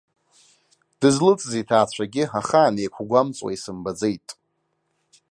Дызлыҵыз иҭаацәагьы ахаан еиқәгәамҵуа исымбаӡеит.